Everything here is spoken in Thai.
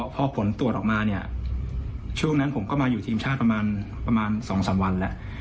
พอผลตรวจออกมาเนี่ยช่วงนั้นผมก็มาอยู่ทีมชาติประมาณ๒๓วันแล้ว